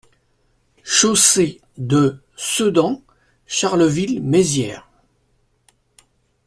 Chaussée de Sedan, Charleville-Mézières